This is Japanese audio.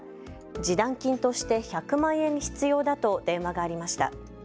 示談金として１００万円必要だと電話がありました。